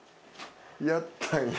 やったんや。